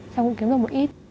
xong cũng kiếm được một ít